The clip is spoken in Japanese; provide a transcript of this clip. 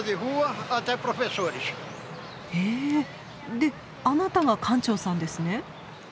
であなたが館長さんですね。